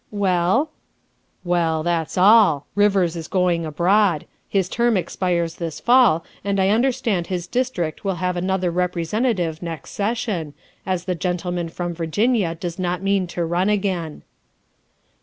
'' 11 Well?" " Well, that's all. Rivers is going abroad. His term expires this fall, and I understand his district will have another Representative next session, as the gentleman from Virginia does not mean to run again.